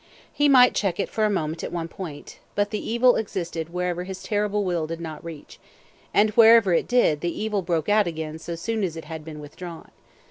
He might check it for a moment at one point; but the evil existed wherever his terrible will did not reach, and wherever it did the evil broke out again so soon as it had been withdrawn.